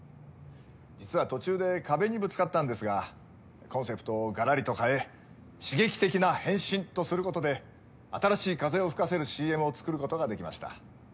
実は途中で壁にぶつかったんですがコンセプトをがらりと変え刺激的な変身とすることで新しい風を吹かせるＣＭを作ることができました。